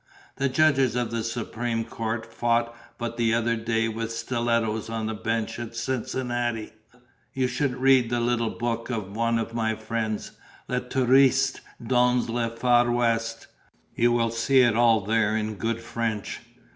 The judges of the Supreme Court fought but the other day with stilettos on the bench at Cincinnati. You should read the little book of one of my friends: Le Touriste dans le Far West; you will see it all there in good French."